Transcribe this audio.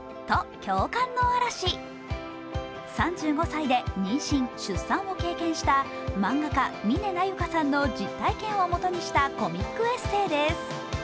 ３５歳で妊娠、出産を経験した漫画家・峰なゆかさんの実体験をもとにしたコミックエッセーです。